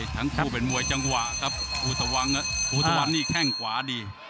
ทั้งคู่เป็นมวยจังหวะครับภูตะวังภูตะวันนี่แข้งขวาดี